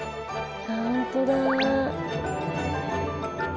本当だ。